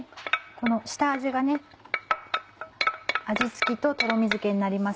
この下味が味付けととろみづけになります。